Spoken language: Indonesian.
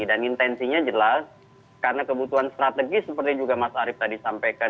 dan intensinya jelas karena kebutuhan strategis seperti juga mas arief tadi sampaikan dua ribu dua puluh empat